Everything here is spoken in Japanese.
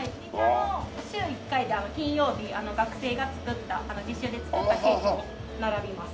週一回金曜日学生が作った実習で作ったケーキも並びます。